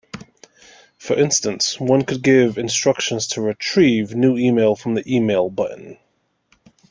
For instance, one could give instructions to retrieve new email from the email button.